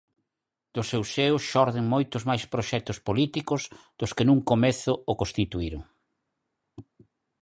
Do seu seo xorden moitos máis proxectos políticos dos que nun comezo o constituíron.